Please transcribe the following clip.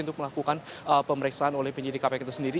untuk melakukan pemeriksaan oleh penyidik kpk itu sendiri